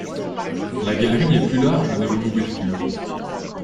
La galerie est plus large devant l'ouverture.